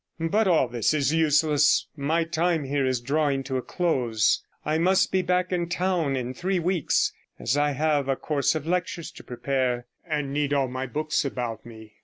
But all this is useless; my time here is drawing to a close; I must be back in town in three weeks, as I have a course of lectures to prepare, and need all my books about me.